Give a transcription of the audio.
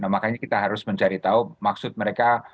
makanya kita harus mencari tahu maksud mereka